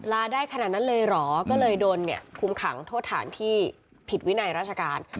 ลาได้ขนาดนั้นเลยเหรอก็เลยโดนเนี่ยคุมขังโทษฐานที่ผิดวินัยราชการ